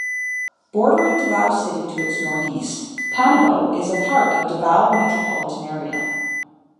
Bordering Davao City to its northeast, Panabo is a part of Davao Metropolitan Area.